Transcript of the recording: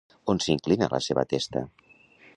On s'inclina la seva testa?